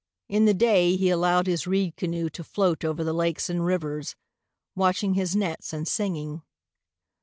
In the day he allowed his reed canoe to float Over the lakes and rivers, Watching his nets and singing.